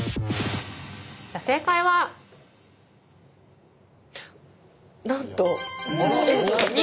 正解はなんと！